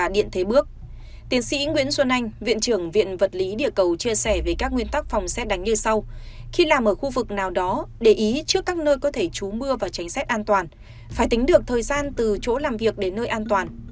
để ý trước các nơi có thể trú mưa và tránh xét an toàn phải tính được thời gian từ chỗ làm việc đến nơi an toàn